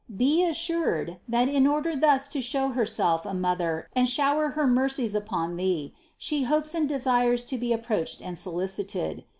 Be assured, that in order thus to show Herself a Mother and shower her mercies upon thee, She hopes and desires to be approached and solicited.